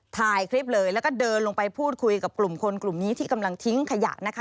ถ่ายคลิปเลยแล้วก็เดินลงไปพูดคุยกับกลุ่มคนกลุ่มนี้ที่กำลังทิ้งขยะนะคะ